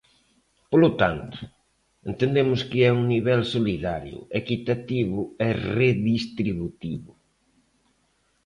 Polo tanto, entendemos que é un nivel solidario, equitativo e redistributivo.